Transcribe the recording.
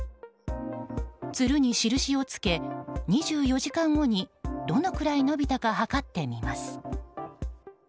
つるに印をつけ、２４時間後にどのくらい伸びたか測ってみます。